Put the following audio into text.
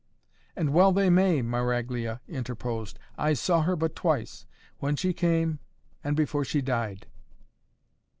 "And well they may," Maraglia interposed. "I saw her but twice. When she came, and before she died."